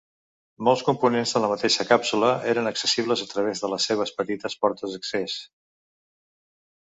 Molts components de la mateixa càpsula eren accessibles a través de les seves petites portes d'accés.